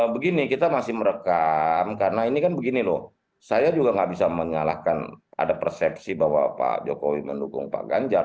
begini kita masih merekam karena ini kan begini loh saya juga nggak bisa menyalahkan ada persepsi bahwa pak jokowi mendukung pak ganjar